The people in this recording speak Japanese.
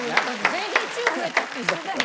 全員１０増えたって一緒だよね？